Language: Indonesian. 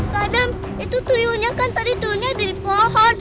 kadam itu tuyulnya kan tadi tuyulnya ada di pohon